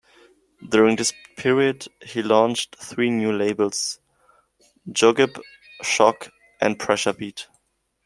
During this period, he launched three new labels -Jogib, Shock, and Pressure Beat.